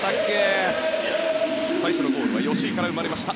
最初のゴールは吉井から生まれました。